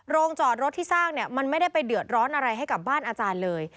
จอดรถที่สร้างเนี่ยมันไม่ได้ไปเดือดร้อนอะไรให้กับบ้านอาจารย์เลย